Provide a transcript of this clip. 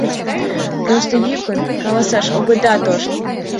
Просто йӱкын каласаш огыда тошт!